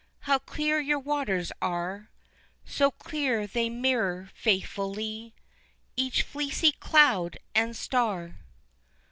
How clear your waters are, So clear they mirror faithfully Each fleecy cloud and star.